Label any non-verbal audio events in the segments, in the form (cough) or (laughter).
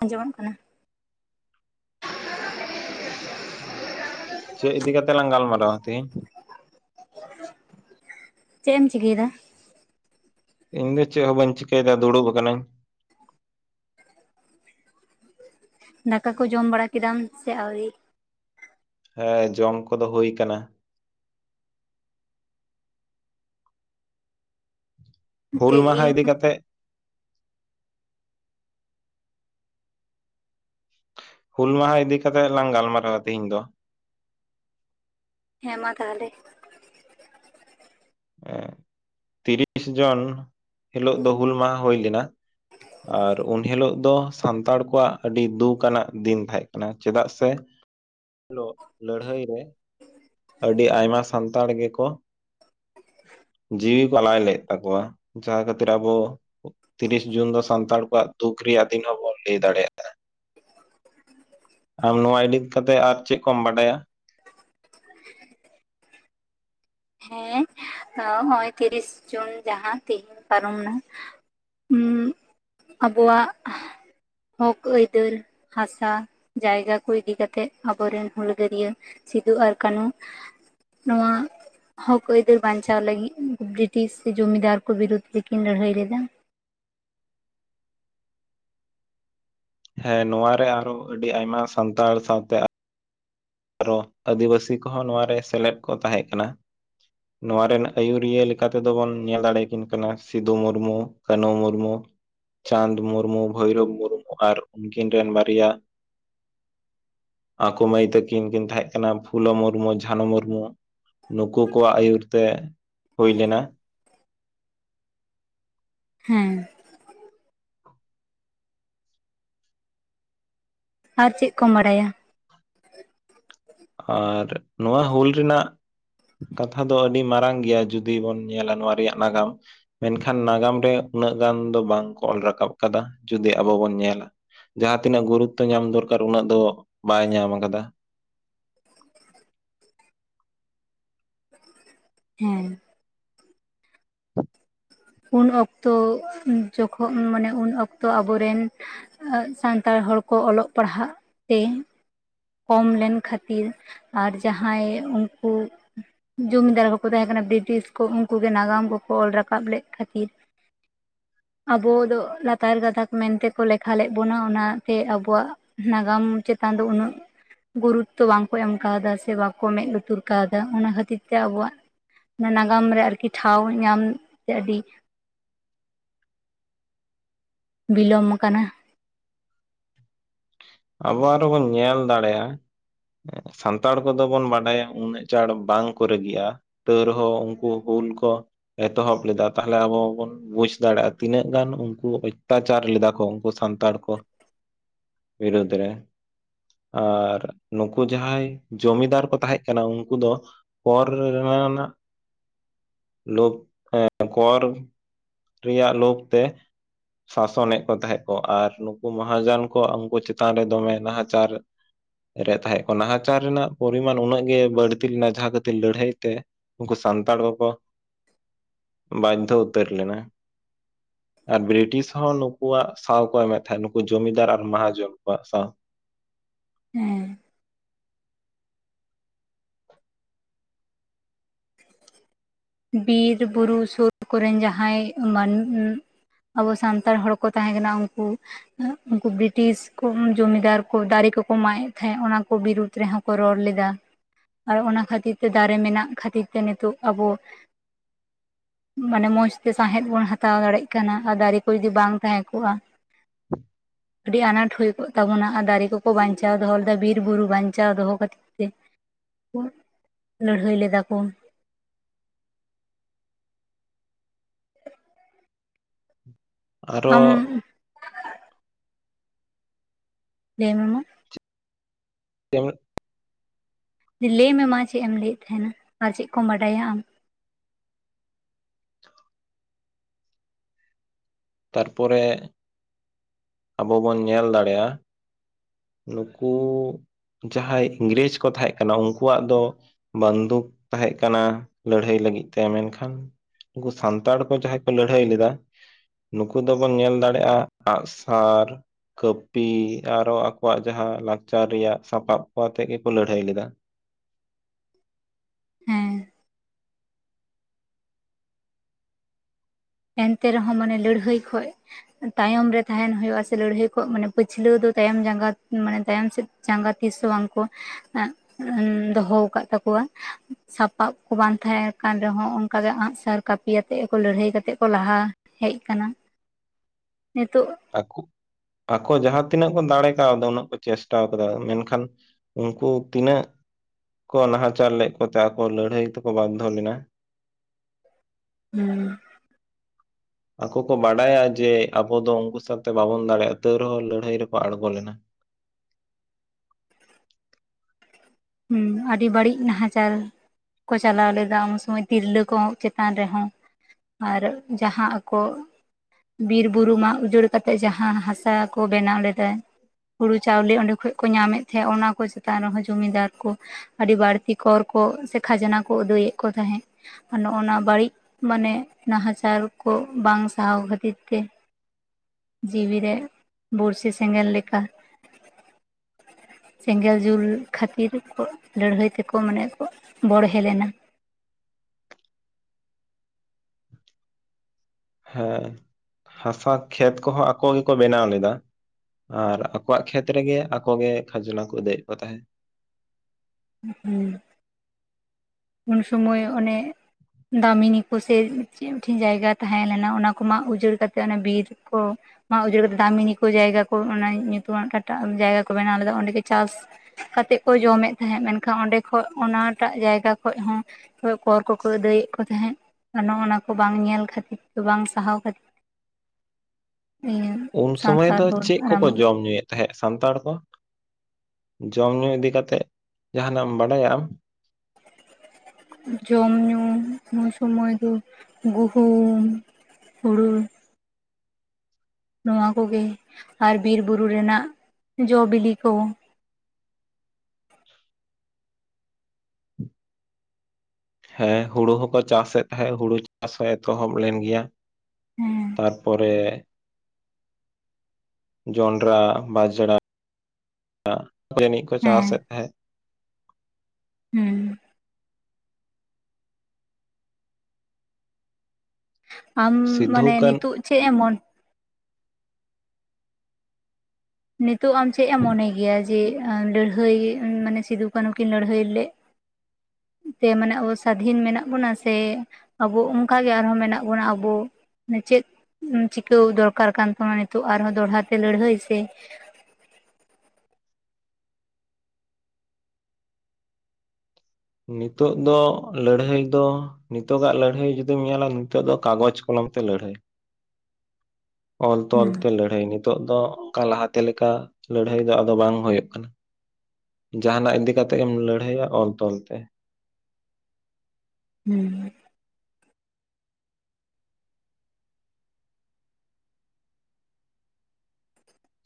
ᱟᱸᱡᱚᱢᱟᱢ ᱠᱟᱱᱟ (unintelligible) ᱪᱮᱫ ᱤᱫᱤ ᱠᱟᱛᱮ ᱞᱟᱝ ᱜᱟᱞᱢᱟᱜᱼᱟ ᱛᱮᱦᱤᱧ? ᱪᱮᱫ ᱮᱢ ᱪᱤᱠᱟᱹᱭᱮᱫᱟ? ᱤᱧ ᱫᱚ ᱪᱮᱫ ᱦᱚᱸ ᱵᱟᱹᱧ ᱪᱤᱠᱟᱹᱭᱮᱫᱟ ᱫᱩᱲᱩᱵ ᱟᱠᱟᱱᱟᱹᱧ᱾ ᱫᱟᱠᱟ ᱠᱚ ᱡᱚᱢ ᱵᱟᱲᱟ ᱠᱮᱫᱟᱢ ᱥᱮ ᱟᱹᱣᱨᱤ? ᱦᱮᱸ ᱡᱚᱢ ᱠᱚᱫᱚ ᱦᱩᱭ ᱠᱟᱱᱟ᱾ ᱦᱩᱞ ᱢᱟᱦᱟ ᱛᱮᱦᱮᱧ ᱤᱫᱤ ᱠᱟᱛᱮᱫ? ᱦᱩᱞ ᱢᱟᱦᱟ ᱤᱫᱤ ᱠᱟᱛᱮᱜ ᱞᱟᱝ ᱜᱟᱞᱢᱟᱨᱟᱣᱟ ᱛᱮᱦᱤᱧ ᱫᱚ᱾ ᱦᱮᱸ ᱢᱟ ᱛᱟᱦᱚᱞᱮ᱾ ᱛᱤᱨᱤᱥ ᱡᱩᱱ ᱦᱤᱞᱳᱜ ᱫᱚ ᱦᱩᱞ ᱢᱟᱦᱟ ᱦᱩᱭ ᱞᱮᱱᱟ ᱟᱨ ᱩᱱ ᱦᱤᱞᱳᱜ ᱫᱚ ᱥᱟᱱᱛᱟᱲ ᱠᱚᱣᱟᱜ ᱟᱹᱰᱤ ᱫᱩᱠ ᱟᱱᱟᱜ ᱫᱤᱱ ᱛᱟᱦᱮᱸ ᱠᱟᱱᱟ ᱪᱮᱫᱟᱜ ᱥᱮ ᱦᱮᱞᱳ, ᱞᱟᱹᱲᱦᱟᱹᱭ ᱨᱮ ᱟᱹᱰᱤ ᱟᱭᱢᱟ ᱥᱟᱱᱛᱟᱲ ᱜᱮᱠᱚ ᱡᱤᱣᱤ ᱠᱚ ᱟᱞᱟᱭ ᱞᱮᱫ ᱛᱟᱠᱚᱣᱟ ᱡᱟᱦᱟᱸ ᱠᱷᱟᱹᱛᱤᱨ ᱟᱵᱚ ᱛᱤᱨᱤᱥ ᱡᱩᱱ ᱫᱚ ᱥᱟᱱᱛᱟᱲ ᱠᱚᱣᱟᱜ ᱫᱩᱠ ᱨᱮᱭᱟᱜ ᱫᱤᱱ ᱦᱚᱸᱵᱚᱱ ᱞᱟᱹᱭ ᱫᱟᱲᱮᱭᱟᱜᱼᱟ ᱠᱟᱱᱟ᱾ ᱟᱢ ᱱᱚᱣᱟ ᱤᱰᱤᱠ ᱠᱟᱛᱮ ᱟᱨ ᱪᱮᱫ ᱠᱚᱢ ᱵᱟᱰᱟᱭᱟ? ᱦᱮᱸ ᱱᱚᱜᱼᱭ ᱛᱤᱨᱤᱥ ᱡᱩᱱ ᱡᱟᱦᱟᱸᱟᱸ ᱛᱮᱦᱮᱧ ᱯᱟᱨᱚᱢᱱᱟ᱾ ᱦᱸ ᱟᱵᱚᱣᱟᱜ ᱦᱚᱠ ᱟᱹᱭᱫᱟᱹᱨ ᱦᱟᱥᱟ ᱡᱟᱭᱜᱟ ᱠᱚ ᱤᱫᱤ ᱠᱟᱛᱮᱫ ᱟᱵᱚᱨᱮᱱ ᱦᱩᱞᱜᱟᱹᱨᱤᱭᱟᱹ ᱥᱤᱫᱩ ᱟᱨ ᱠᱟᱹᱱᱦᱩ ᱱᱚᱣᱟ ᱦᱚᱸᱠ ᱟᱹᱭᱫᱟᱹᱨ ᱵᱟᱧᱪᱟᱣ ᱞᱟᱹᱜᱤᱫ ᱵᱨᱤᱴᱤᱥ ᱥᱮ ᱡᱩᱚᱢᱤᱫᱟᱨ ᱠᱚ ᱵᱤᱨᱩᱫ ᱨᱮᱠᱤᱱ ᱞᱟᱹᱲᱦᱟᱹᱭ ᱞᱮᱫᱟ᱾ ᱦᱮᱸ ᱱᱚᱶᱟᱮ ᱟᱨᱚ ᱟᱹᱰᱤ ᱟᱭᱢᱟ ᱥᱟᱱᱛᱟᱲ ᱥᱟᱶᱛᱮ ᱟᱨᱚ ᱟᱹᱫᱤᱵᱟᱹᱥᱤ ᱠᱚᱦᱚᱸ ᱱᱚᱣᱟ ᱨᱮ ᱥᱮᱞᱮᱫ ᱠᱚ ᱛᱟᱦᱮᱸ ᱠᱟᱱᱟ᱾ ᱱᱚᱣᱟ ᱨᱮᱱ ᱟᱹᱭᱩᱨᱤᱭᱟᱹ ᱞᱮᱠᱟ ᱛᱮᱫᱚ ᱵᱚᱱ ᱧᱮᱞ ᱫᱟᱲᱮᱭᱟᱠᱤᱱ ᱠᱟᱱᱟ ᱥᱤᱫᱩ ᱢᱩᱨᱢᱩ ᱠᱟᱹᱱᱦᱩ ᱢᱩᱨᱢᱩ᱾ ᱪᱟᱸᱫᱽ ᱢᱩᱨᱢᱩ ᱵᱷᱳᱭᱨᱳᱚᱵ ᱢᱩᱨᱢᱩ ᱟᱨ ᱩᱱᱠᱤᱱ ᱨᱮᱱ ᱵᱟᱨᱭᱟ ᱟᱠᱚ ᱢᱟᱹᱭ ᱛᱟᱹᱠᱤᱱ ᱠᱤᱱ ᱛᱟᱦᱮᱸ ᱠᱟᱱᱟ ᱯᱷᱩᱞᱚ ᱢᱩᱨᱢᱩ ᱡᱷᱟᱱᱚ ᱢᱩᱨᱢᱩ᱾ ᱱᱩᱠᱩ ᱠᱚᱣᱟᱜ ᱟᱹᱭᱩᱨ ᱛᱮ ᱦᱩᱭ ᱞᱮᱱᱟ᱾ ᱦᱮᱸ᱾ ᱟᱨ ᱪᱮᱫ ᱠᱚᱢ ᱵᱟᱲᱟᱭᱟ? ᱟᱨ ᱱᱚᱣᱟ ᱦᱩᱞ ᱨᱮᱱᱟᱜ ᱠᱟᱛᱷᱟ ᱫᱚ ᱟᱹᱰᱤ ᱢᱟᱨᱟᱝ ᱜᱮᱭᱟ, ᱡᱩᱫᱤ ᱵᱚᱱ ᱧᱮᱞᱟ ᱱᱚᱣᱟ ᱨᱮᱭᱟᱜ ᱱᱟᱜᱟᱢ᱾ ᱢᱮᱱᱠᱷᱟᱱ ᱱᱟᱜᱟᱢ ᱨᱮ ᱩᱱᱟᱹᱜ ᱜᱟᱱ ᱫᱚ ᱵᱟᱝ ᱠᱚ ᱚᱞ ᱨᱟᱠᱟᱵ ᱠᱟᱫᱟ, ᱡᱩᱫᱤ ᱟᱵᱚ ᱵᱚᱱ ᱧᱮᱞᱟ᱾ ᱡᱟᱦᱟᱸ ᱛᱤᱱᱟᱹᱜ ᱜᱩᱨᱩᱛᱛᱚ ᱧᱟᱢ ᱫᱚᱨᱠᱟᱨ ᱩᱱᱟᱹᱜ ᱫᱚ ᱵᱟᱭ ᱧᱟᱢ ᱠᱟᱫᱟ᱾ ᱦᱮᱸ ᱩᱱ ᱚᱠᱛᱚ ᱡᱚᱠᱷᱚᱱ ᱢᱟᱱᱮ ᱩᱱ ᱚᱠᱛᱚ ᱟᱵᱚᱨᱮᱱ ᱥᱟᱱᱛᱟᱲ ᱦᱚᱲᱠᱚ ᱚᱞᱚᱜ ᱯᱟᱲᱦᱟᱜ ᱛᱮ ᱠᱚᱢ ᱞᱮᱱ ᱠᱷᱟᱹᱛᱤᱨ ᱟᱨ ᱡᱟᱦᱟᱸᱭ ᱩᱝᱠᱩ ᱡᱚᱢᱤᱫᱟᱨ ᱠᱚᱠᱚ ᱛᱟᱦᱮᱸ ᱠᱟᱱᱟ ᱵᱨᱤᱴᱤᱥ ᱠᱚ ᱩᱝᱠᱩ ᱜᱮ ᱱᱟᱜᱟᱢ ᱠᱚᱠᱚ ᱚᱞ ᱨᱟᱠᱟᱵ ᱞᱮᱫ ᱠᱷᱟᱹᱛᱤᱨ ᱟᱵᱚ ᱫᱚ ᱞᱟᱛᱟᱨ ᱜᱟᱛᱟᱠ ᱢᱮᱱᱛᱮᱠᱚ ᱞᱮᱠᱷᱟ ᱞᱮᱫ ᱵᱚᱱᱟ ᱚᱱᱟᱛᱮ ᱟᱵᱚᱣᱟᱜ ᱱᱟᱜᱟᱢ ᱪᱮᱛᱟᱱ ᱫᱚ ᱩᱱᱟᱹᱜ ᱜᱩᱨᱩᱛᱛᱚ ᱵᱟᱝᱠᱚ ᱮᱢ ᱠᱟᱣᱫᱟ ᱥᱮ ᱵᱟᱠᱚ ᱢᱮᱸᱫ ᱞᱩᱛᱩᱨ ᱠᱟᱣᱫᱟ ᱚᱱᱟ ᱠᱷᱟᱹᱛᱤᱨ ᱛᱮ ᱟᱵᱚᱣᱟᱜ ᱚᱱᱟ ᱱᱟᱜᱟᱢ ᱨᱮ ᱟᱨᱠᱤ ᱴᱷᱟᱶ ᱧᱟᱢ ᱛᱮ ᱟᱹᱰᱤ ᱵᱤᱞᱚᱢ ᱟᱠᱟᱱᱟ᱾ ᱟᱵᱚ ᱟᱨᱚᱵᱚᱱ ᱧᱮᱞ ᱫᱟᱲᱮᱜ-ᱟ ᱥᱟᱱᱛᱟᱲ ᱠᱚᱫᱚ ᱵᱚᱱ ᱵᱟᱰᱟᱭᱟ ᱩᱱᱟᱹᱜ ᱪᱟᱬ ᱵᱟᱝᱠᱚ ᱨᱟᱹᱜᱤᱜ-ᱟ᱾ ᱛᱟᱹᱣ ᱨᱮᱦᱚᱸ ᱩᱝᱠᱩ ᱦᱩᱞ ᱠᱚ ᱮᱛᱚᱦᱚᱵ ᱞᱮᱫᱟ ᱛᱟᱦᱟᱞᱮ ᱟᱵᱚ ᱵᱚᱱ ᱵᱩᱡ ᱫᱟᱲᱮᱜ-ᱟ ᱛᱤᱱᱟᱹᱜ ᱜᱟᱱ ᱩᱝᱠᱩ ᱚᱛᱛᱟᱪᱟᱨ ᱞᱮᱫᱟ ᱠᱚ ᱩᱱᱠᱩ ᱥᱟᱱᱛᱟᱲ ᱠᱚ ᱵᱤᱨᱩᱫᱽ ᱨᱮ᱾ ᱟᱨ ᱱᱩᱠᱩ ᱡᱟᱦᱟᱸᱭ ᱡᱚᱢᱤᱫᱟᱨ ᱠᱚ ᱛᱟᱦᱮᱸᱜ ᱠᱟᱱᱟ ᱩᱱᱠᱩ ᱫᱚ (unintelligible) ᱨᱮᱭᱟᱜ ᱞᱳᱵᱽ ᱛᱮ ᱥᱟᱥᱚᱱᱮᱜ ᱠᱚ ᱛᱟᱦᱮᱸᱜ ᱠᱚ, ᱟᱨ ᱱᱩᱠᱩ ᱢᱚᱦᱟᱡᱟᱱ ᱠᱚ ᱠᱩ ᱪᱮᱛᱟᱱ ᱨᱮ ᱫᱚᱢᱮ ᱱᱟᱦᱟᱪᱟᱨ ᱨᱮ ᱛᱟᱦᱮᱸ ᱠᱚ ᱱᱟᱦᱟᱪᱟᱨ ᱨᱮᱱᱟᱜ ᱯᱚᱨᱤᱢᱟᱱ ᱩᱱᱟᱹᱜ ᱜᱮ ᱵᱟᱹᱲᱛᱤ ᱞᱮᱱᱟ ᱡᱟᱦᱟᱸ ᱠᱷᱟᱹᱛᱤᱨ ᱞᱟᱹᱲᱦᱟᱹᱭ ᱛᱮ ᱩᱝᱠᱩ ᱥᱟᱱᱛᱟᱲ ᱠᱚᱠᱚ ᱵᱟᱡᱫᱷᱳ ᱩᱛᱟᱹᱨ ᱞᱮᱱᱟ᱾ ᱟᱨ ᱵᱨᱤᱴᱤᱥ ᱦᱚᱸ ᱱᱩᱠᱩᱣᱟᱜ ᱥᱟᱶ ᱠᱚ ᱮᱢᱮᱫ ᱛᱟᱦᱮᱸᱜ ᱱᱩᱠᱩ ᱡᱚᱢᱤᱫᱟᱨ ᱟᱨ ᱢᱟᱦᱟᱡᱚᱱ ᱠᱚᱣᱟᱜ ᱥᱟᱶ᱾ ᱦᱮᱸ ᱵᱤᱨ ᱵᱩᱨᱩ ᱥᱳᱨ ᱠᱚᱨᱮᱱ ᱡᱟᱦᱟᱸᱭ ᱢᱟᱹᱱ ᱟᱵᱚ ᱥᱟᱱᱛᱟᱲ ᱦᱚᱲᱠᱚ ᱛᱟᱦᱮᱸ ᱠᱟᱱᱟ ᱩᱝᱠᱩ ᱩᱝᱠᱩ ᱵᱨᱤᱴᱤᱥ ᱠᱳᱢ ᱡᱚᱢᱤᱫᱟᱨ ᱠᱚ ᱫᱟᱨᱮ ᱠᱚᱠᱚ ᱢᱟᱜᱮᱫ ᱛᱟᱦᱮᱸᱜ ᱚᱱᱟ ᱠᱚ ᱵᱤᱨᱩᱫᱽ ᱨᱮᱦᱚᱸ ᱠᱚ ᱨᱚᱲ ᱞᱮᱫᱟ᱾ ᱟᱨ ᱚᱱᱟ ᱠᱷᱟᱹᱛᱤᱨ ᱛᱮ ᱫᱟᱨᱮ ᱢᱮᱱᱟᱜ ᱠᱷᱟᱹᱛᱤᱨ ᱛᱮ ᱱᱤᱛᱳᱜ ᱟᱵᱚ ᱢᱟᱱᱮ ᱢᱚᱸᱡᱽᱛᱮ ᱥᱟᱸᱦᱮᱫ ᱵᱚᱱ ᱦᱟᱛᱟᱣ ᱫᱟᱲᱮᱜ ᱠᱟᱱᱟ ᱟᱨ ᱫᱟᱨᱮ ᱠᱚ ᱡᱩᱫᱤ ᱵᱟᱝ ᱛᱟᱦᱮᱸ ᱠᱚᱜ-ᱟ ᱟᱹᱰᱤ ᱟᱱᱟᱴ ᱦᱩᱭ ᱠᱚᱜ ᱛᱟᱵᱚᱱᱟ ᱟᱨ ᱫᱟᱨᱮ ᱠᱚᱠᱚ ᱵᱟᱧᱪᱟᱣ ᱫᱚᱦᱚ ᱞᱮᱫᱟ ᱵᱤᱨ ᱵᱩᱨᱩ ᱵᱟᱧᱪᱟᱣ ᱫᱚᱦᱚ ᱠᱟᱛᱮ ᱛᱮ ᱠᱩ ᱞᱟᱹᱲᱦᱟᱹᱭ ᱞᱮᱫᱟ ᱠᱚ᱾ ᱟᱨᱚ ᱟᱢ ᱞᱟᱹᱭ ᱢᱮ ᱢᱟ᱾ (unintelligible) ᱞᱟᱹᱭ ᱢᱮ ᱢᱟ ᱪᱮᱫ ᱮᱢ ᱞᱟᱹᱭᱮᱫ ᱛᱟᱦᱮᱱᱟ, ᱟᱨ ᱪᱮᱫ ᱠᱚᱢ ᱵᱟᱰᱟᱭᱟ ᱟᱢ? ᱛᱟᱨᱯᱚᱨᱮ ᱟᱵᱚ ᱵᱚᱱ ᱧᱮᱞ ᱫᱟᱹᱲᱮᱜ-ᱟ ᱱᱩᱠᱩ ᱡᱟᱦᱟᱸᱭ ᱤᱝᱨᱮᱡᱽ ᱠᱚ ᱛᱟᱦᱮᱸ ᱠᱟᱱᱟ ᱩᱱᱠᱩᱣᱟᱜ ᱫᱚ ᱵᱟᱱᱫᱩᱠ ᱛᱟᱦᱮᱸ ᱠᱟᱱᱟ ᱞᱟᱹᱲᱦᱟᱹᱭ ᱞᱟᱹᱜᱤᱫ ᱛᱮ ᱢᱮᱱᱠᱷᱟᱱ ᱩᱝᱠᱩ ᱥᱟᱱᱛᱟᱲ ᱠᱚ ᱡᱟᱦᱟᱸᱭ ᱠᱚ ᱞᱟᱹᱲᱦᱟᱹᱭ ᱞᱮᱫᱟ ᱱᱩᱠᱩ ᱫᱚᱵᱚᱱ ᱧᱮᱞ ᱫᱟᱲᱮᱜ-ᱟ ᱟᱜ ᱥᱟᱨ ᱠᱟᱹᱯᱤ ᱟᱨᱚ ᱟᱠᱚᱣᱟᱜ ᱡᱟᱦᱟᱸ ᱞᱟᱠᱪᱟᱨ ᱨᱮᱭᱟᱜ ᱥᱟᱯᱟᱵ ᱠᱚ ᱟᱛᱮᱫ ᱜᱮ ᱠᱚ ᱞᱟᱹᱲᱦᱟᱹᱭ ᱞᱮᱫᱟ᱾ ᱦᱮᱸ ᱮᱱᱛᱮ ᱨᱮᱦᱚᱸ ᱢᱟᱱᱮ ᱞᱟᱹᱲᱦᱟᱹᱭ ᱠᱷᱚᱡ ᱛᱟᱭᱚᱢ ᱨᱮ ᱛᱟᱦᱮᱱ ᱦᱩᱭᱩᱜᱼᱟ ᱥᱮ ᱞᱟᱹᱲᱦᱟᱹᱭ ᱠᱚ ᱢᱟᱱᱮ ᱯᱟᱹᱪᱷᱞᱟᱹᱣ ᱫᱚ ᱛᱟᱭᱚᱢ ᱡᱟᱸᱜᱟ ᱢᱟᱱᱮ ᱛᱟᱭᱚᱢ ᱥᱮᱫ ᱡᱟᱸᱜᱟ ᱛᱤᱥᱦᱚᱸ ᱵᱟᱝᱠᱚ (unintelligible) ᱫᱚᱦᱚ ᱟᱠᱟᱫ ᱛᱟᱠᱩᱣᱟ ᱥᱟᱯᱟᱵ ᱠᱩ ᱵᱟᱝ ᱛᱟᱦᱮᱸ ᱠᱟᱱ ᱨᱮᱦᱚᱸ ᱚᱱᱠᱟ ᱜᱮ ᱟᱜᱼᱥᱟᱨ ᱠᱟᱹᱯᱤ ᱟᱛᱮ ᱞᱟᱹᱲᱦᱟᱹᱭ ᱠᱟᱛᱮᱜ ᱠᱚ ᱞᱟᱦᱟ ᱦᱮᱡ ᱠᱟᱱᱟ ᱱᱤᱛᱚᱜ ᱟᱠᱚ ᱟᱠᱚ ᱡᱟᱦᱟᱸ ᱛᱤᱱᱟᱹᱜ ᱠᱚ ᱫᱟᱲᱮ ᱠᱟᱣᱫᱟ ᱩᱱᱟᱹᱜ ᱠᱚ ᱪᱮᱥᱴᱟ ᱠᱟᱫᱟ ᱢᱮᱱᱠᱷᱟᱱ ᱩᱱᱠᱩ ᱛᱤᱱᱟᱹᱜ ᱠᱚ ᱱᱟᱦᱟᱪᱟᱨ ᱞᱮᱫ ᱠᱚᱛᱮ ᱟᱠᱚ ᱞᱟᱹᱲᱦᱟᱹᱭ ᱛᱮᱠᱚ ᱵᱟᱫᱽᱫᱷᱚ ᱞᱮᱱᱟ ᱦᱩᱸ ᱟᱠᱚ ᱠᱚ ᱵᱟᱰᱟᱭᱟ ᱡᱮ ᱟᱵᱚ ᱫᱚ ᱩᱱᱠᱩ ᱥᱟᱶᱛᱮ ᱵᱟᱵᱚᱱ ᱫᱟᱲᱮᱜᱼᱟ, ᱛᱟᱣ ᱨᱮᱦᱚᱸ ᱞᱟᱹᱲᱦᱟᱹᱭ ᱨᱮᱠᱚ ᱟᱬᱜᱚ ᱞᱮᱱᱟ ᱦᱩᱸ ᱟᱹᱰᱤ ᱵᱟᱹᱲᱤᱡ ᱱᱟᱦᱟᱪᱟᱨ ᱠᱚ ᱪᱟᱞᱟᱣ ᱞᱮᱫᱟ ᱩᱱ ᱥᱚᱢᱚᱭ ᱛᱤᱨᱞᱟᱹ ᱠᱚ ᱪᱮᱛᱟᱱ ᱨᱮᱦᱚᱸ ᱟᱨ ᱡᱟᱦᱟᱸ ᱟᱠᱚ ᱵᱤᱨ ᱵᱩᱨᱩ ᱢᱟᱜ ᱩᱡᱟᱹᱲ ᱠᱟᱛᱮᱜ ᱡᱟᱦᱟᱸ ᱦᱟᱥᱟ ᱠᱚ ᱵᱮᱱᱟᱣ ᱞᱮᱫᱟᱭ ᱦᱩᱲᱩ ᱪᱟᱣᱞᱮ ᱚᱸᱰᱮ ᱠᱷᱚᱡ ᱠᱚ ᱧᱟᱢᱮᱫ ᱛᱟᱦᱮᱸᱜ ᱚᱱᱟ ᱠᱚ ᱪᱮᱛᱟᱱ ᱨᱮᱦᱚᱸ ᱡᱩᱢᱤᱫᱟᱨ ᱠᱚ ᱟᱰᱤ ᱵᱟᱹᱲᱛᱤ ᱠᱚᱨ ᱠᱚ ᱥᱮ ᱠᱷᱟᱡᱽᱱᱟ ᱠᱚ ᱟᱹᱫᱟᱹᱭᱮᱫ ᱠᱚ ᱛᱟᱦᱮᱸᱫ ᱱᱚᱜ-ᱱᱚᱣᱟ ᱵᱟᱹᱲᱤᱡ ᱢᱟᱱᱮ ᱱᱟᱦᱟᱪᱟᱨ ᱠᱚ ᱵᱟᱝ ᱥᱟᱦᱟᱣ ᱠᱷᱟᱹᱛᱤᱨ ᱛᱮ ᱡᱤᱣᱤ ᱨᱮ ᱵᱳᱨᱥᱮ ᱥᱮᱸᱜᱮᱞ ᱞᱮᱠᱟ ᱥᱮᱸᱜᱮᱞ ᱡᱩᱞ ᱠᱷᱟᱹᱛᱤᱨ ᱞᱟᱹᱲᱦᱟᱹᱭ ᱛᱮᱠᱚ ᱢᱟᱱᱮ ᱠᱚ ᱵᱚᱲᱦᱮ ᱞᱮᱱᱟ ᱦᱮᱸ ᱦᱟᱸᱥᱟ ᱠᱷᱮᱛ ᱠᱚᱦᱚᱸ ᱟᱠᱚ ᱜᱮᱠᱚ ᱵᱮᱱᱟᱣ ᱞᱮᱫᱟ ᱟᱨ ᱟᱠᱚᱣᱟᱜ ᱠᱷᱮᱛ ᱨᱮᱜᱮ ᱟᱠᱚᱜᱮ ᱠᱷᱟᱡᱽᱱᱟ ᱠᱚ ᱟᱹᱫᱟᱹᱭᱮᱫ ᱠᱚ ᱛᱟᱦᱮᱸᱫ ᱦᱩᱸ ᱩᱱ ᱥᱚᱢᱚᱭ ᱚᱱᱮ ᱫᱟᱢᱤᱱᱤᱠᱳ ᱥᱮ ᱪᱮᱫ (unintelligible) ᱴᱷᱮᱱ ᱡᱟᱭᱜᱟ ᱛᱟᱦᱮᱸ ᱞᱮᱱᱟ ᱚᱱᱟ ᱠᱚ ᱢᱟᱜ ᱩᱡᱟᱹᱲ ᱠᱟᱛᱮᱫ ᱚᱱᱮ ᱵᱤᱨ ᱠᱚ ᱢᱟᱜ ᱩᱡᱟᱹᱲ ᱠᱟᱛᱮ ᱫᱟᱢᱤᱱᱤᱠᱳ ᱡᱟᱭᱜᱟ ᱠᱚ ᱚᱱᱟ ᱧᱩᱛᱩᱢᱟᱱ ᱢᱤᱫ (unintelligible) ᱡᱟᱭᱜᱟ ᱠᱚ ᱵᱮᱱᱟᱣ ᱞᱮᱫᱟ ᱚᱸᱰᱮ ᱜᱮ ᱪᱟᱥ ᱠᱟᱛᱮᱫ ᱠᱚ ᱡᱚᱢᱮᱫ ᱛᱟᱦᱮᱸᱫ ᱢᱮᱱᱠᱷᱟᱱ ᱚᱸᱰᱮ ᱠᱷᱚᱱ ᱚᱱᱟ ᱴᱟᱜ ᱡᱟᱭᱜᱟ ᱠᱷᱚᱡ ᱦᱚᱸ (unintelligible) ᱠᱚᱨ ᱠᱚᱠᱚ ᱟᱹᱫᱟᱹᱭᱮᱫ ᱠᱚ ᱛᱟᱦᱮᱸᱫ ᱱᱚᱜᱼᱚᱭ ᱚᱱᱟ ᱠᱚ ᱵᱟᱝ ᱧᱮᱞ ᱠᱷᱟᱹᱛᱤᱨ ᱵᱟᱝ ᱥᱟᱦᱟᱣ ᱠᱷᱟᱹᱛᱤᱨ ᱤᱭᱟᱹ ᱩᱱ ᱥᱚᱢᱚᱭ ᱥᱟᱱᱛᱟᱲ ᱫᱚ ᱦᱚᱲ ᱪᱮᱫ ᱠᱚᱠᱚ ᱡᱚᱢ ᱧᱩᱭᱮᱫ? ᱛᱟᱦᱮᱸᱫ ᱥᱟᱱᱛᱟᱲ ᱠᱚ ᱡᱚᱢ ᱧᱩ ᱤᱫᱤ ᱠᱟᱛᱮ ᱡᱟᱦᱟᱸᱱᱟᱜ ᱮᱢ ᱵᱟᱰᱟᱭᱟ ᱟᱢ? ᱡᱚᱢ ᱧᱩ ᱩᱱ ᱥᱚᱢᱚᱭ ᱫᱚ ᱜᱩᱦᱩᱢ ᱦᱩᱲᱩ ᱱᱚᱣᱟ ᱠᱚᱜᱮ ᱟᱨ ᱵᱤᱨ ᱵᱩᱨᱩ ᱨᱮᱱᱟᱜ ᱡᱚ ᱵᱤᱞᱤ ᱠᱚ ᱦᱮᱸ ᱦᱩᱲᱩ ᱦᱚᱸᱠᱚ ᱪᱟᱥᱮᱫ ᱛᱟᱦᱮᱸᱫ ᱦᱩᱲᱩ ᱪᱟᱥ ᱦᱚᱸ ᱮᱛᱚᱦᱚᱵ ᱞᱮᱱ ᱜᱮᱭᱟ ᱦᱮᱸ ᱛᱟᱨᱯᱚᱨᱮ ᱡᱚᱱᱰᱨᱟ ᱵᱟᱡᱽᱲᱟ (inaudible) ᱡᱟᱹᱱᱤᱡ ᱠᱚ ᱦᱮᱸ ᱪᱟᱥᱮᱫ ᱛᱟᱦᱮᱸᱫ ᱦᱩᱸ ᱟᱢ ᱥᱤᱫᱷᱩ ᱢᱟᱱᱮ ᱠᱟᱹᱱᱩ ᱱᱤᱛᱩᱜ ᱪᱮᱫ ᱮᱢᱚᱱ ᱱᱤᱛᱚᱜ ᱟᱢ ᱪᱮᱫ ᱮᱢ ᱢᱚᱱᱮ ᱜᱮᱭᱟ ᱡᱮ ᱞᱟᱹᱲᱦᱟᱹᱭ ᱢᱟᱱᱮ ᱥᱤᱫᱩ ᱠᱟᱹᱱᱦᱩ ᱠᱤᱱ ᱞᱟᱹᱲᱦᱟᱹᱭ ᱞᱮᱫ ᱛᱮ ᱢᱟᱱᱮ ᱟᱵᱚ ᱥᱟᱫᱷᱤᱱ ᱢᱮᱱᱟᱜ ᱵᱚᱱᱟ ᱥᱮ ᱟᱵᱚ ᱚᱱᱠᱟᱜᱮ ᱟᱨᱦᱚᱸ ᱢᱮᱱᱟᱜ ᱵᱚᱱᱟ ᱟᱵᱚ ᱮ ᱪᱮᱫ ᱪᱤᱠᱟᱹᱣ ᱫᱚᱨᱠᱟᱨ ᱠᱟᱱ ᱛᱟᱢᱟ ᱱᱤᱛᱚᱜ ᱟᱨᱦᱚᱸ ᱫᱚᱲᱦᱟ ᱛᱮ ᱞᱟᱹᱲᱦᱟᱹᱭ ᱥᱮ (unintelligible) ᱱᱤᱛᱚᱜ ᱫᱚ ᱞᱟᱹᱲᱦᱟᱹᱭ ᱫᱚ ᱱᱤᱛᱚᱜᱟᱜ ᱞᱟᱹᱲᱦᱟᱹᱭ ᱡᱩᱫᱤᱢ ᱧᱮᱞᱟ ᱱᱤᱛᱚᱜ ᱫᱚ ᱠᱟᱜᱚᱡᱽ ᱠᱚᱞᱚᱢ ᱛᱮ ᱞᱟᱹᱲᱦᱟᱹᱭ ᱚᱞ ᱦᱩᱸ ᱛᱚᱞᱛᱮ ᱞᱟᱹᱲᱦᱟᱹᱭ ᱱᱤᱛᱚᱜ ᱫᱚ ᱚᱱᱠᱟ ᱞᱟᱦᱟᱛᱮ ᱞᱮᱠᱟ ᱞᱟᱹᱲᱦᱟᱹᱭ ᱫᱚ ᱟᱫᱚ ᱵᱟᱝ ᱦᱳᱭᱳᱜ ᱠᱟᱱᱟ ᱡᱟᱦᱟᱱᱟᱜ ᱤᱫᱤ ᱠᱟᱛᱮᱜ ᱮᱢ ᱞᱟᱹᱲᱦᱟᱹᱭᱟ ᱚᱞ ᱛᱚᱞ ᱛᱮᱼᱼ (unintelligible)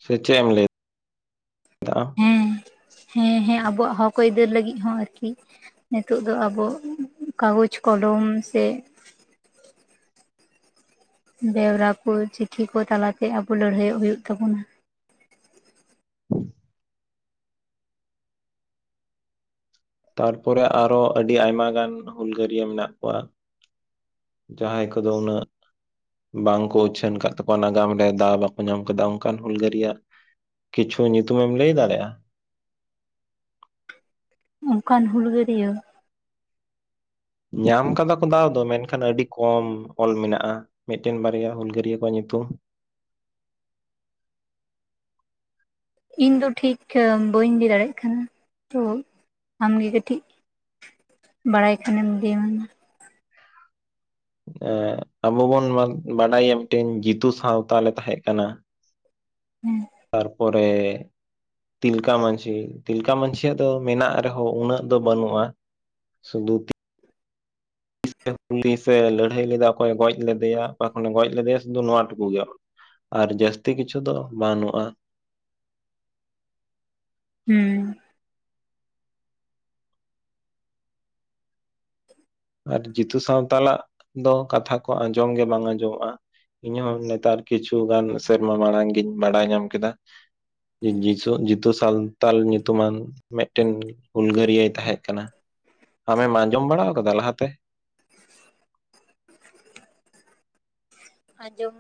ᱥᱮ ᱪᱮ ᱮᱢ ᱞᱟᱭᱼᱼ ᱦᱮᱸ ᱦᱮᱸ ᱦᱮᱸ ᱟᱵᱚᱣᱟᱜ ᱦᱚᱠ ᱟᱹᱭᱤᱫᱟᱹᱨ ᱞᱟᱹᱜᱤᱫ ᱦᱚᱸ ᱟᱨᱠᱤ ᱱᱤᱛᱚᱜ ᱫᱚ ᱟᱵᱚ ᱠᱟᱜᱚᱡᱽ ᱠᱚᱞᱚᱢ ᱥᱮᱼᱼ ᱵᱮᱣᱨᱟ ᱠᱚ ᱪᱤᱴᱷᱤ ᱠᱚ ᱛᱟᱞᱟᱛᱮ ᱟᱵᱩ ᱞᱟᱹᱲᱦᱟᱹᱭᱚᱜ ᱦᱩᱭᱩᱜ ᱛᱟᱵᱩᱱᱟ᱾ (unintelligible) ᱛᱟᱨᱯᱚᱨᱮ ᱟᱨᱚ ᱟᱹᱰᱤ ᱟᱭᱢᱟ ᱜᱟᱱ ᱦᱩᱞᱜᱟᱹᱨᱤᱭᱟᱹ ᱢᱮᱱᱟᱜ ᱠᱚᱣᱟ᱾ ᱡᱟᱦᱟᱸᱭ ᱠᱚᱫᱚ ᱩᱱᱟᱹᱜᱼᱼ ᱵᱟᱝᱠᱚ ᱩᱪᱷᱟᱹᱱ ᱟᱠᱟᱫ ᱛᱟᱠᱚᱣᱟ ᱱᱟᱜᱟᱢ ᱨᱮ ᱫᱟᱣ ᱵᱟᱠᱚ ᱧᱟᱢ ᱟᱠᱟᱫᱟ ᱚᱱᱠᱟᱱ ᱦᱩᱞᱜᱟᱹᱨᱟᱜ ᱠᱤᱪᱷᱩ ᱧᱩᱛᱩᱢᱮᱢ ᱞᱟᱹᱭ ᱫᱟᱲᱮᱭᱟᱜᱼᱟ᱾ ᱚᱱᱠᱟᱱ ᱦᱩᱞᱜᱟᱹᱨᱤᱭᱟᱹ᱾ ᱧᱟᱢ ᱟᱠᱟᱫᱟ ᱠᱚ ᱫᱟᱣ ᱫᱚ ᱢᱮᱱᱠᱷᱟᱱ ᱟᱹᱰᱤ ᱠᱚᱢ ᱚᱞ ᱢᱮᱱᱟᱜᱼᱟ᱾ ᱢᱤᱫᱴᱮᱱ ᱵᱟᱨᱭᱟ ᱦᱩᱞᱜᱟᱹᱨᱭᱟᱹ ᱠᱚᱣᱟᱜ ᱧᱩᱛᱩᱢᱼᱼ ᱤᱧ ᱫᱚ ᱴᱷᱤᱠ ᱵᱟᱹᱧ ᱞᱟᱭ ᱫᱟᱲᱮᱭᱟᱜ ᱠᱟᱱᱟ ᱛᱚ ᱟᱢᱜᱮ ᱠᱟᱹᱴᱤᱡᱼᱼ ᱵᱟᱲᱟᱭ ᱠᱷᱟᱱᱮᱢ ᱞᱟᱹᱭ ᱢᱮ ᱦᱟᱸ᱾ ᱮ ᱟᱵᱚ ᱵᱚᱱ ᱵᱟᱰᱟᱭᱟ ᱢᱤᱫᱴᱮᱱ ᱡᱤᱛᱩ ᱥᱟᱶᱛᱟᱞ ᱞᱮ ᱛᱟᱦᱮᱸ ᱠᱟᱱᱟ᱾ ᱦᱮᱸ ᱛᱟᱨᱯᱚᱨᱮᱼᱼ ᱛᱤᱞᱠᱟ ᱢᱟᱺᱡᱷᱤ ᱛᱤᱞᱠᱟ ᱢᱟᱹᱡᱷᱤᱭᱟᱜ ᱫᱚ ᱢᱮᱱᱟᱜ ᱨᱮᱦᱚᱸ ᱩᱱᱟᱹᱜ ᱫᱚ ᱵᱟᱹᱱᱩᱜᱼᱟ᱾ ᱥᱫᱚᱛᱼᱼ (inaudible) ᱞᱟᱹᱲᱦᱟᱹᱭ ᱞᱮᱫᱟ ᱚᱠᱚᱭᱮ ᱜᱚᱡ ᱞᱮᱫᱮᱭᱟ ᱚᱠᱟ ᱠᱷᱚᱱᱮ ᱜᱚᱡ ᱞᱮᱫᱮᱭᱟ ᱥᱩᱫᱷᱩ ᱱᱚᱣᱟ ᱴᱩᱠᱩ ᱜᱮᱼᱼ ᱟᱨ ᱡᱟᱹᱥᱛᱤ ᱠᱤᱪᱷᱩ ᱫᱚ ᱵᱟᱹᱱᱩᱜᱼᱟ᱾ ᱦᱚᱸ ᱟᱨ ᱡᱤᱛᱩ ᱥᱟᱶᱛᱟᱞᱟᱜ ᱫᱚ ᱠᱟᱛᱷᱟ ᱠᱚ ᱟᱸᱡᱚᱢ ᱜᱮ ᱵᱟᱝ ᱟᱸᱡᱚᱢᱚᱜᱼᱟ᱾ ᱤᱧ ᱦᱚ ᱱᱮᱛᱟᱨ ᱠᱤᱪᱷᱩᱜᱟᱱ ᱥᱮᱨᱢᱟ ᱢᱟᱲᱟᱝ ᱜᱤᱧ ᱵᱟᱲᱟᱭ ᱧᱟᱢ ᱠᱮᱫᱟ᱾ ᱡᱤᱥᱩ ᱡᱤᱛᱩ ᱥᱟᱱᱛᱟᱞ ᱧᱩᱛᱩᱢᱟᱱ ᱢᱤᱫᱴᱮᱱ ᱦᱩᱞᱜᱟᱹᱨᱤᱭᱟᱹᱟᱭ ᱛᱟᱦᱮᱸ ᱠᱟᱱᱟ᱾ ᱟᱢᱮᱢ ᱟᱸᱡᱚᱢ ᱵᱟᱲᱟᱣ ᱟᱠᱟᱫᱟ ᱞᱟᱦᱟᱛᱮᱼᱼ ᱟᱸᱡᱚᱢ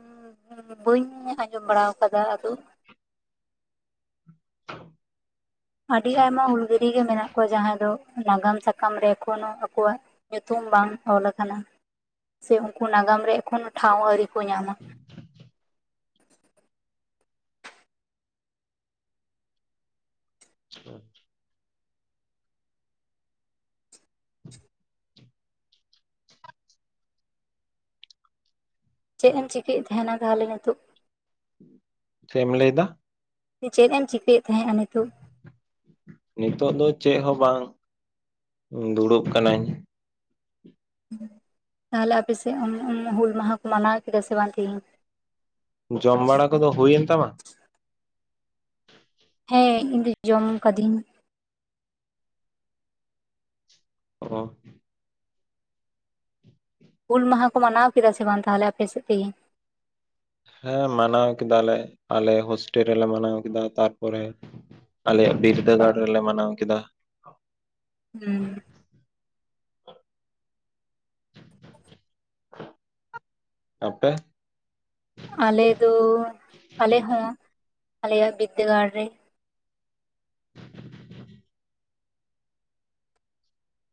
ᱵᱟᱹᱧ ᱟᱸᱡᱚᱢ ᱵᱟᱲᱟᱣ ᱟᱠᱟᱫᱟ ᱟᱫᱚᱼᱼ ᱟᱹᱰᱤ ᱟᱭᱢᱟ ᱦᱩᱞᱜᱟᱹᱨᱤᱭᱟᱹ ᱜᱮ ᱢᱮᱱᱟᱜ ᱠᱚᱣᱟ ᱡᱟᱦᱟᱸᱭ ᱫᱚ ᱱᱟᱜᱟᱢ ᱥᱟᱠᱟᱢ ᱨᱮᱠᱷᱱᱚ ᱟᱠᱚᱣᱟᱜᱼᱼ ᱧᱩᱛᱩᱢ ᱵᱟᱝ ᱚᱞ ᱟᱠᱟᱱᱟ ᱥᱮ ᱩᱱᱠᱩ ᱱᱟᱜᱟᱢ ᱨᱮ ᱮᱠᱷᱚᱱ ᱴᱷᱟᱶ ᱟᱹᱣᱨᱤ ᱠᱚ ᱧᱟᱢᱟ᱾ (unintelligible) ᱪᱮᱫ ᱮᱢ ᱪᱤᱠᱟᱹᱭᱮᱫ ᱛᱟᱦᱮᱱᱟ ᱛᱟᱦᱚᱞᱮ ᱱᱤᱛᱚᱜᱼᱼ ᱪᱮᱢ ᱞᱟᱹᱭ ᱫᱟ᱾ ᱪᱮᱫ ᱮᱢ ᱪᱤᱠᱟᱹᱭᱮᱫ ᱛᱟᱦᱮᱸᱜᱼᱟ ᱱᱤᱛᱚᱜᱼᱼᱼ ᱱᱤᱛᱚᱜ ᱫᱚ ᱪᱮᱫ ᱦᱚᱸ ᱵᱟᱝ ᱫᱩᱲᱩᱵ ᱠᱟᱱᱟᱹᱧᱼᱼ ᱛᱟᱦᱚᱞᱮ ᱟᱯᱮᱥᱮᱫ ᱦᱩᱞ ᱢᱟᱦᱟ ᱠᱚ ᱢᱟᱱᱟᱣ ᱠᱮᱫᱟ ᱥᱮ ᱵᱟᱝ ᱛᱤᱦᱤᱧᱼᱼ ᱡᱚᱢ ᱵᱟᱲᱟ ᱠᱚᱫᱚ ᱦᱩᱭᱮᱱ ᱛᱟᱢᱟ᱾ ᱦᱮᱸ ᱤᱧᱫᱚ ᱡᱚᱢ ᱠᱟᱫᱤᱧᱼᱼ ᱚ ᱦᱩᱞ ᱢᱟᱦᱟ ᱠᱚ ᱢᱟᱱᱟᱣ ᱠᱮᱫᱟ ᱥᱮ ᱵᱟᱝ ᱛᱟᱦᱚᱞᱮ ᱟᱯᱮ ᱥᱮᱫ ᱛᱤᱦᱮᱧᱼᱼ ᱦᱮᱸ ᱢᱟᱱᱟᱣ ᱠᱮᱫᱟᱞᱮ ᱟᱞᱮ ᱦᱳᱥᱴᱮᱞ ᱨᱮᱞᱮ ᱢᱟᱱᱟᱣ ᱠᱮᱫᱟ ᱛᱟᱨᱯᱚᱨᱮ ᱟᱞᱮᱭᱟᱜ ᱵᱤᱨᱫᱟᱹᱜᱟᱲ ᱨᱮᱞᱮ ᱢᱟᱱᱟᱣ ᱠᱮᱫᱟ᱾ ᱦᱩᱸ ᱟᱯᱮ ᱟᱞᱮ ᱫᱚ ᱟᱞᱮ ᱦᱚᱸ ᱟᱞᱮᱭᱟᱜ ᱵᱤᱫᱟᱹᱜᱟᱲ ᱨᱮᱼᱼ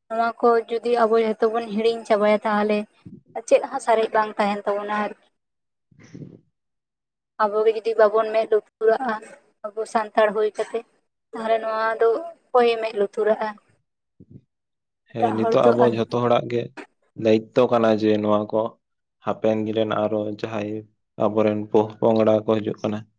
ᱱᱚᱣᱟ ᱠᱚ ᱡᱩᱫᱤ ᱟᱵᱚ ᱡᱚᱛᱚ ᱵᱚᱱ ᱦᱤᱲᱤᱧ ᱪᱟᱵᱟᱭᱟ ᱛᱟᱦᱞᱮ ᱪᱮᱫ ᱦᱚᱸ ᱥᱟᱨᱮᱡ ᱵᱟᱝ ᱛᱟᱦᱮᱱ ᱛᱟᱵᱚᱱᱟ ᱟᱨᱠᱤ᱾ (inaudible) ᱟᱵᱚᱜᱮ ᱡᱩᱚᱫᱤ ᱵᱟᱵᱚᱱ ᱢᱮᱸᱫ ᱞᱩᱛᱩᱨᱟᱜᱼᱟ ᱟᱵᱚ ᱥᱟᱱᱛᱟᱲ ᱦᱩᱭ ᱠᱟᱛᱮᱜ᱾ ᱛᱟᱦᱞᱮ ᱱᱚᱣᱟ ᱫᱚ ᱚᱠᱚᱭᱮ ᱢᱮᱫ ᱞᱩᱛᱩᱨᱟᱜᱼᱟ᱾ ᱦᱮᱸ ᱮᱴᱟᱜ ᱦᱚᱲ ᱱᱤᱛᱚᱜ ᱫᱚ ᱟᱵᱚ ᱟᱨ ᱡᱷᱚᱛᱚ ᱦᱚᱲᱟᱜ ᱜᱮ ᱫᱟᱭᱤᱛᱛᱚ ᱠᱟᱱᱟ ᱡᱮ ᱱᱚᱣᱟ ᱠᱚ ᱦᱟᱯᱮᱱ ᱫᱤᱱ ᱨᱮᱱ ᱟᱨᱚ ᱡᱟᱦᱟᱸᱭ ᱟᱵᱚᱨᱮᱱ ᱯ ᱯᱚᱝᱲᱟ ᱠᱚ ᱦᱤᱡᱩᱜ ᱠᱟᱱᱟ ᱾